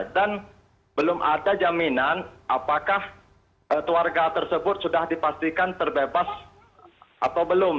dan belum ada jaminan apakah keluarga tersebut sudah dipastikan terbebas atau belum